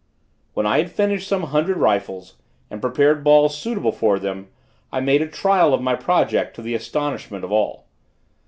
When I had finished some hundred rifles and prepared balls suitable for them, I made a trial of my project to the astonishment of all.